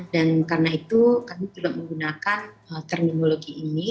dan karena itu kami juga menggunakan terminologi ini